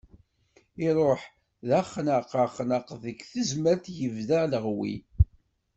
Iruḥ d axnaq axnaq, deg Tezmalt yebda aleɣwi.